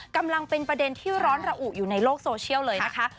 กำลังเป็นประเด็นที่ร้อนระอุอยู่ในโลกโซเชียลเลยนะคะ